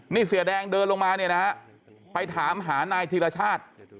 นี่เสียแดงเดินลงมาเนี่ยนะฮะไปถามหานายธีรชาติ